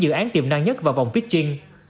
dự án tiềm năng nhất vào vòng pitching